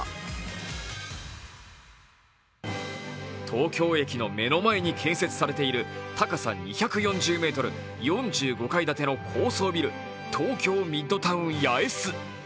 東京駅の目の前に建設されている高さ２４０ｍ、４５階建ての高層ビル、東京ミッドタウン八重洲。